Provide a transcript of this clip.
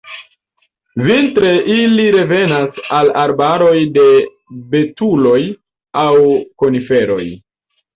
Vintre ili revenas al arbaroj de betuloj aŭ koniferoj.